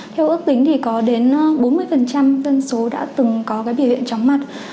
theo ước tính thì có đến bốn mươi dân số đã từng có cái biểu hiện chóng mặt